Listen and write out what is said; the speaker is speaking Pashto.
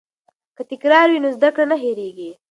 که تکرار وي نو زده کړه نه هیریږي.